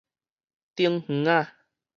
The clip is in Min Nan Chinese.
頂園仔